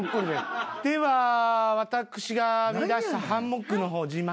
では私が編み出したハンモックの方をジ・マミ。